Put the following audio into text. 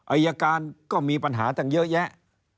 อายการก็มีปัญหาตั้งเยอะแยะ